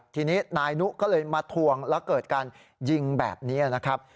ทีนี้นายนุก็เลยมาทวงแล้วเกิดการยิงแบบนี้นะครับ